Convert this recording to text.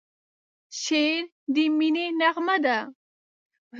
شعر د مینې نغمه ده.